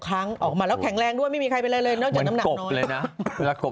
ครั้งออกมาแล้วแข็งแรงด้วยไม่มีใครเป็นอะไรเลยนอกจากน้ำหนักน้อยเลยนะ